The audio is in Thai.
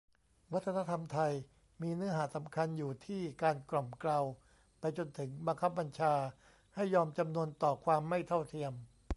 "วัฒนธรรมไทย" มีเนื้อหาสำคัญอยู่ที่การกล่อมเกลา ไปจนถึงบังคับบัญชาให้ยอมจำนนต่อความไม่เท่าเทียม